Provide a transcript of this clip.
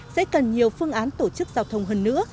sẽ cần nhiều phương án tổ chức giao thông hơn nữa